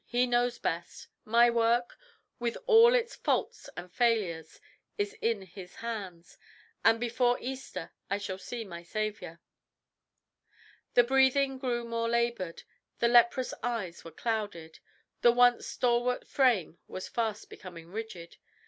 He knows best. My work, with all its faults and failures, is in His hands, and before Easter I shall see my Saviour." The breathing grew more laboured, the leprous eyes were clouded, the once stalwart frame was fast becoming rigid.